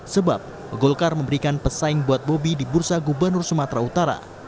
sebab golkar memberikan pesaing buat bobi di bursa gubernur sumatera utara